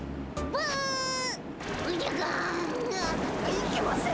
いいけません。